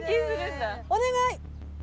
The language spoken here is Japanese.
お願い！